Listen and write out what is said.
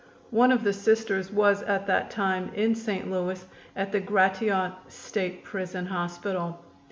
One of the Sisters was at that time in St. Louis at the Gratiot State Prison Hospital.